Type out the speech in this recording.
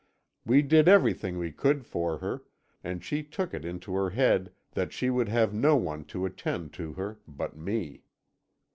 We did everything we could for her, and she took it into her head that she would have no one to attend to her but me.